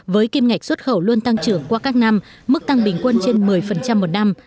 với kim ngạch xuất khẩu luôn tăng trưởng qua các năm mức tăng bình quân trên một mươi một năm